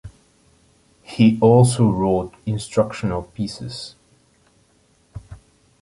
He also wrote instructional pieces.